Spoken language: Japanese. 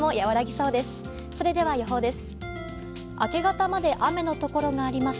それでは、予報です。